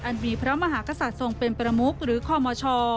มีพระมหากษัตริย์ทรงเป็นประมุขหรือคอมช